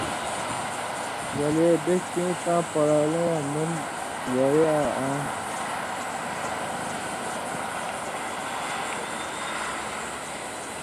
ولے بے سېوں تاں پڑان٘لہ واں دن وڑیا آں